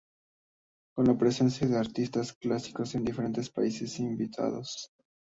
Con la presencia de artistas plásticos de diferentes países invitados.